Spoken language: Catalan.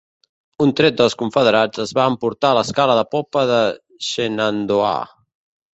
Un tret dels confederats es va emportar l'escala de popa de "Shenandoah".